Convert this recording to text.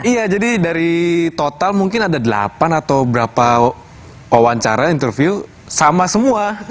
iya jadi dari total mungkin ada delapan atau berapa wawancara interview sama semua